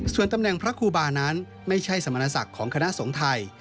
ส่วนตำแหน่งพระครูบานั้นไม่ใช่สมณศักดิ์ของคณะสงฆ์ไทย